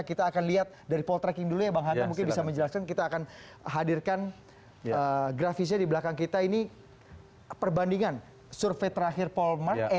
kita akan lihat dari poltreking dulu ya bang hanta mungkin bisa menjelaskan kita akan hadirkan grafisnya di belakang kita ini perbandingan survei terakhir polmark